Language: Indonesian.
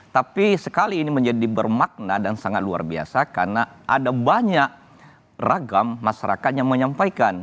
tapi sekali ini menjadi bermakna dan sangat luar biasa karena ada banyak ragam masyarakat yang menyampaikan